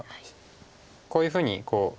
こういうふうにこう。